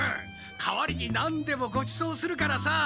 代わりに何でもごちそうするからさあ。